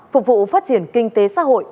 phục vụ phát triển kinh tế xã hội